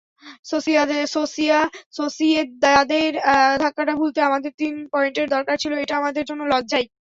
সোসিয়েদাদের ধাক্কাটা ভুলতে আমাদের তিন পয়েন্টের দরকার ছিল, এটা আমাদের জন্য লজ্জাই।